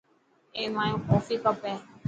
اي مايو ڪوفي ڪپ هي.